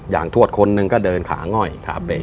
อย่างทวดคนนึงก็เดินขาง่อยขาเป๋